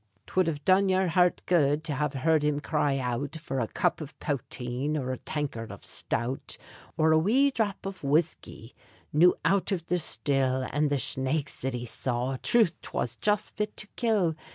'Twould have done yer hairt good to have heard him cry out For a cup of potheen or a tankard av shtout, Or a wee dhrap av whiskey, new out av the shtill; And the shnakes that he saw troth 'twas jist fit to kill!